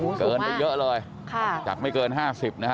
โอ้โหสูงมากค่ะจากไม่เกิน๕๐นะฮะจากไม่เกิน๕๐นะฮะ